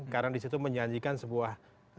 karena disitu menjanjikan sebuah